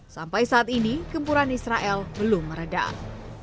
sampai saat ini gempuran israel belum meredah